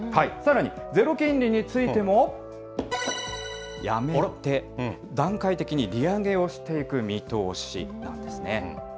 さらにゼロ金利についても、やめて、段階的に利上げをしていく見通しなんですね。